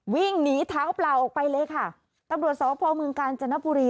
วิ่งหนีเท้าเปล่าออกไปเลยค่ะตำรวจสพเมืองกาญจนบุรี